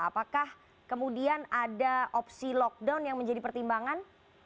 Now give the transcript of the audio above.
apakah kemudian ada opsi lockdown yang menjadi pertimbangan